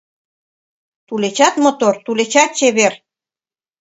Тулечат мотор, тулечат чевер